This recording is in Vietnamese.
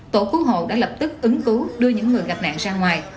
tổ cứu hộ đã lập tức ứng cứu đưa những người gặp nạn ra ngoài